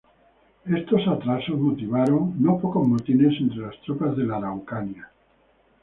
Estos atrasos motivaron no pocos motines entre las tropas de la Araucanía.